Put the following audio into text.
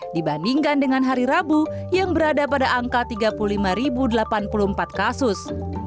dibandingkan dengan hari rabu yang berada pada angka tiga puluh lima delapan puluh empat kasus